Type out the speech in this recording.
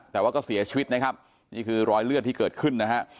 แต่ว่าก็เสียชีวิตนะครับนี่คือรอยเลือดที่เกิดขึ้นนะฮะ